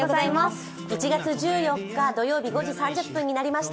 １月１４日土曜日、５時３０分になりました。